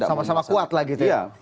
sama sama kuat lagi itu ya